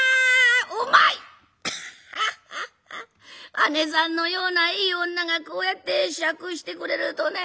あねさんのようないい女がこうやって酌してくれるとね